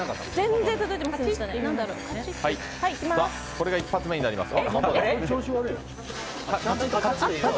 これが１発目になります。